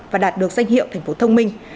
và đạt được danh hiệu thành phố thông minh